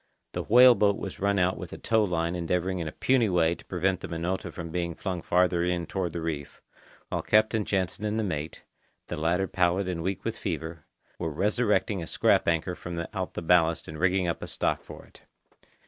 The whale boat was run out with a tow line endeavouring in a puny way to prevent the Minota from being flung farther in toward the reef, while Captain Jansen and the mate, the latter pallid and weak with fever, were resurrecting a scrap anchor from out the ballast and rigging up a stock for it.